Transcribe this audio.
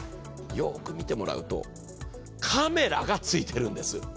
よく見てもらうと、カメラがついているんです。